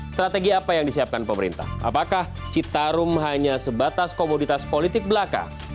strategi apa yang disiapkan pemerintah apakah citarum hanya sebatas komoditas politik belaka